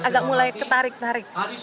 agak mulai ketarik ketarik